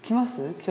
今日。